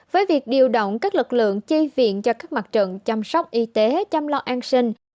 với việc điều động các lực lượng chi viện cho các mặt trận chăm sóc y tế chăm lo an sinh